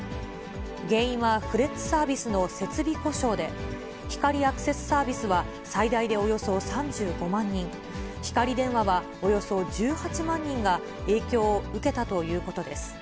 原因は、フレッツサービスの設備故障で、光アクセスサービスは最大でおよそ３５万人、ひかり電話は、およそ１８万人が影響を受けたということです。